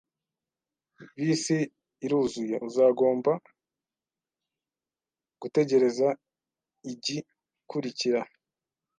Bisi iruzuye. Uzagomba gutegereza igikurikira